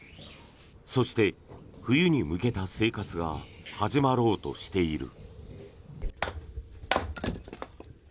そして、冬に向けた生活が始まろうとしている。